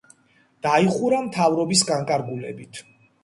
დაიხურა მთავრობის განკარგულებით.